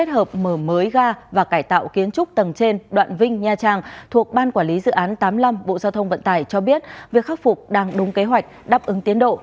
mới ga và cải tạo kiến trúc tầng trên đoạn vinh nha trang thuộc ban quản lý dự án tám mươi năm bộ giao thông vận tải cho biết việc khắc phục đang đúng kế hoạch đáp ứng tiến độ